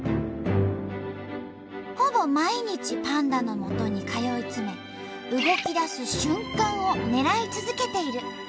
ほぼ毎日パンダのもとに通い詰め動きだす瞬間を狙い続けている。